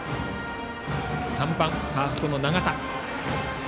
打者は３番ファーストの永田。